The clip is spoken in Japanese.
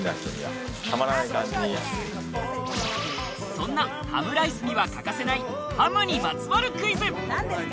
そんなハムライスには欠かせないハムにまつわるクイズ。